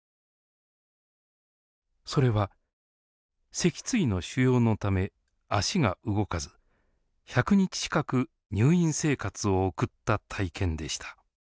それは脊椎の腫瘍のため足が動かず１００日近く入院生活を送った体験でした。